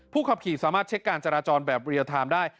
ขับขี่สามารถเช็คการจราจรแบบเรียลไทม์ได้